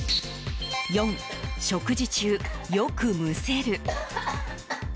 ４、食事中よくむせる。